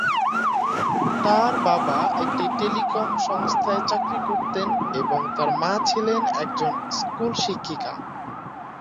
তাঁর বাবা একটি টেলিকম সংস্থায় চাকরি করতেন এবং তাঁর মা ছিলেন একজন স্কুল শিক্ষিকা।